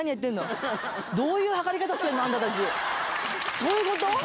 そういうこと？